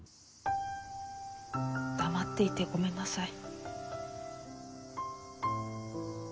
黙っていてごめんなさい。